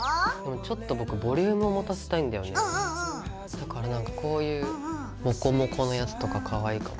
だからなんかこういうモコモコのやつとかかわいいかも。